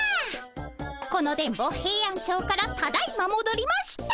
この電ボヘイアンチョウからただいまもどりました。